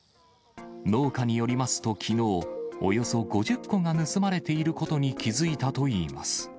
農家によりますと、きのう、およそ５０個が盗まれていることに気付いたといいます。